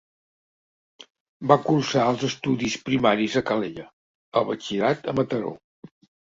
Va cursar els estudis primaris a Calella, el batxillerat a Mataró.